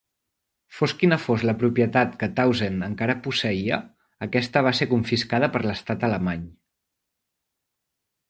Fos quina fos la propietat que Tausend encara posseïa, aquesta va ser confiscada per l'estat alemany.